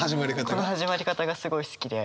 この始まり方がすごい好きで。